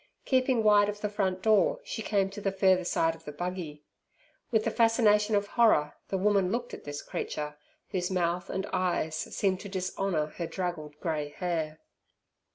Keeping wide of the front door, she came to the further side of the buggy. With the fascination of horror the woman looked at this creature, whose mouth and eyes seemed to dishonour her draggled grey hair.